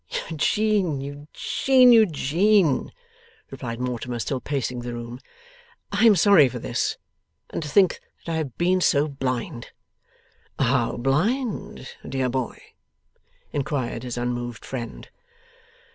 'Eugene, Eugene, Eugene,' replied Mortimer, still pacing the room, 'I am sorry for this. And to think that I have been so blind!' 'How blind, dear boy?' inquired his unmoved friend.